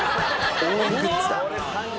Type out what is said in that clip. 応援グッズだ。